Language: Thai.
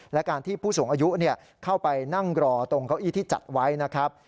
และการที่ผู้สูงอายุเข้าไปนั่งรอตรงเก้าอี้ที่จัดไว้นะครับ